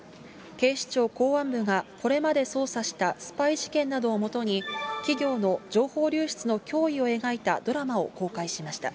警視庁公安部が、これまで捜査したスパイ事件などをもとに、企業の情報流出の脅威を描いたドラマを公開しました。